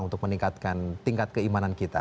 untuk meningkatkan tingkat keimanan kita